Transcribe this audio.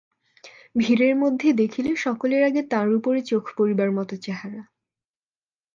ভিড়ের মধ্যে দেখিলে সকলের আগে তাঁর উপরে চোখ পড়িবার মতো চেহারা।